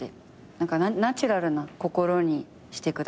何かナチュラルな心にしてくださいました。